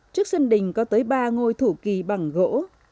trước sân đình có tới ba ngôi thủ kỳ bằng gỗ